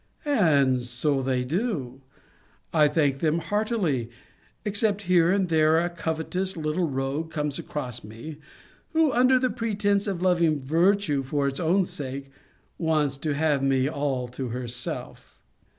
And so they do; I thank them heartily; except here and there a covetous little rogue comes cross me, who, under the pretence of loving virtue for its own sake, wants to have me all to herself.